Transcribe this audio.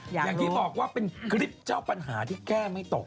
อย่างที่บอกว่าเป็นคลิปเจ้าปัญหาที่แก้ไม่ตก